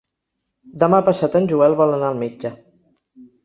Demà passat en Joel vol anar al metge.